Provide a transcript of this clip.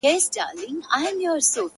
زما په برخه به نن ولي دا ژړاوای -